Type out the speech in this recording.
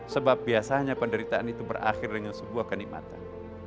sebab biasanya penderitaan itu berakhir dengan sebuah kenikmatan